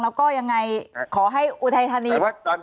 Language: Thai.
และก็อย่างไรขอให้อุทยธานี